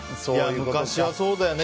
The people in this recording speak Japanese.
昔はそうだよね。